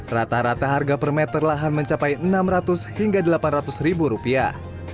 rata rata harga per meter lahan mencapai enam ratus hingga delapan ratus ribu rupiah